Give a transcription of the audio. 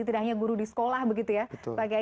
tidak hanya guru di sekolah begitu ya